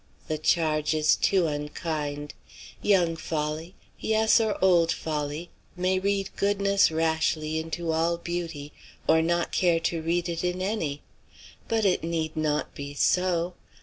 The charge is too unkind. Young folly, yes, or old folly, may read goodness rashly into all beauty, or not care to read it in any. But it need not be so.